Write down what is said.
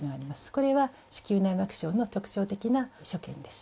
これは子宮内膜症の特徴的な所見です